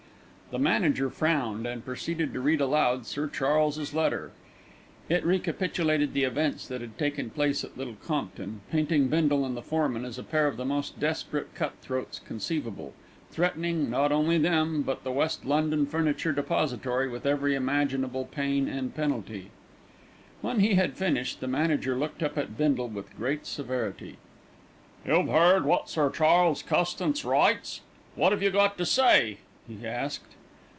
The manager frowned, and proceeded to read aloud Sir Charles's letter. It recapitulated the events that had taken place at Little Compton, painting Bindle and the foreman as a pair of the most desperate cut throats conceivable, threatening, not only them, but the West London Furniture Depository with every imaginable pain and penalty. When he had finished, the manager looked up at Bindle with great severity. "You've heard what Sir Charles Custance writes. What have you got to say?" he asked.